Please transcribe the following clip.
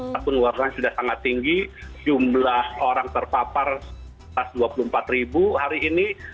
wabun warna sudah sangat tinggi jumlah orang terpapar satu ratus dua puluh empat ribu hari ini